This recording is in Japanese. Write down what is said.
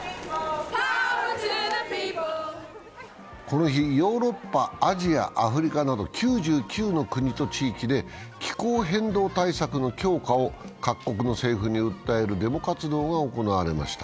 この日、ヨーロッパ、アジア、アフリカなど９９の国と地域で、気候変動対策の強化を各国の政府に訴えるデモ活動が行われました。